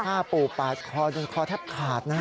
ฆ่าปู่ปาดคอจนคอแทบขาดนะฮะ